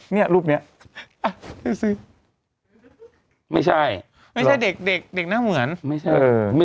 เนี้ยรูปเนี้ยอ่ะไม่ใช่ไม่ใช่เด็กเด็กเด็กหน้าเหมือนไม่ใช่